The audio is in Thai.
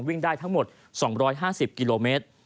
วิ่งได้ทั้งหมด๒๕๐กิโลเมตร